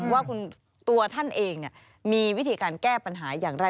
ว่าตัวท่านเองมีวิธีการแก้ปัญหาอย่างไร